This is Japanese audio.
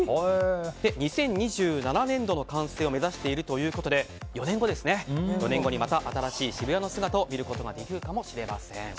２０２７年度の完成を目指しているということで４年後に、また新しい渋谷の姿を見ることができるかもしれません。